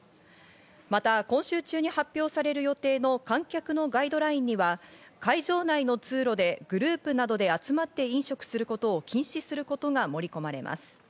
また今週中に発表される予定の観客のガイドラインには、会場内の通路でグループなどで集まって飲食することを禁止することが盛り込まれます。